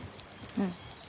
うん。